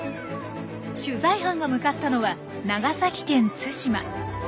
取材班が向かったのは長崎県対馬。